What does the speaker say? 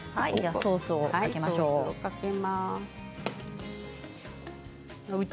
ソースをかけましょう。